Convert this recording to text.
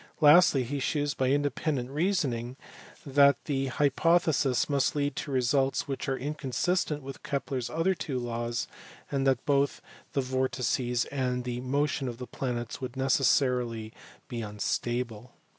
Lastly he shews by independent reasoning that the hypothesis must lead to results which are inconsistent with Kepler s other two laws, and that both the vortices and the motion of the planets would be necessarily unstable.